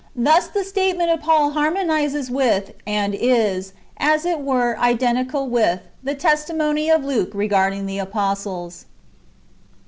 Thus the statement of Paul harmonizes with, and is, as it were, identical with, the testimony of Luke regarding the apostles.